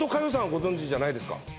ご存じじゃないですか？